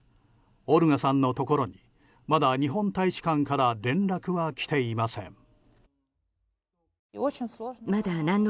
オルガさんのところにまだ日本大使館から連絡は来ていません。